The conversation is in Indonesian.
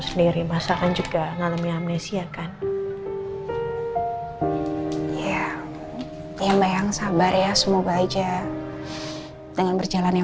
sendiri masakan juga ngalami amnesia kan ya mbak yang sabar ya semoga aja dengan berjalannya